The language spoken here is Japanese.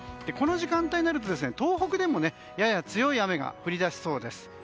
この時間帯になると東北でも、やや強い雨が降り出しそうです。